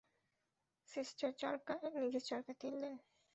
Sister, নিজের চরকায় তেল দিন।